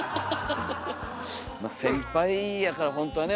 まあ先輩やからほんとはね